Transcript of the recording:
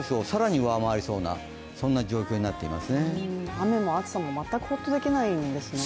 雨も暑さも全くほっとできないですね。